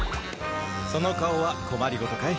その顔は困りごとかい？